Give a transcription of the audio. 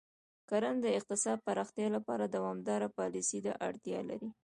کرنه د اقتصادي پراختیا لپاره دوامداره پالیسۍ ته اړتیا لري.